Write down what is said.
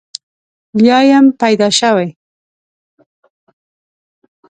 بیا یم پیدا شوی.